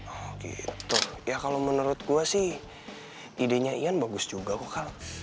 ah gitu ya kalau menurut gue sih idenya ian bagus juga kok kalah